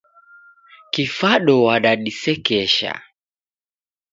Kifado wadadisekesha.